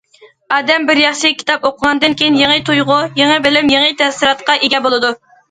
ئادەم بىر ياخشى كىتاب ئوقۇغاندىن كېيىن، يېڭى تۇيغۇ، يېڭى بىلىم، يېڭى تەسىراتقا ئىگە بولىدۇ.